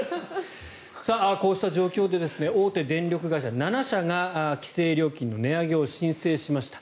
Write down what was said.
こうした状況で大手電力会社７社が規制料金の値上げを申請しました。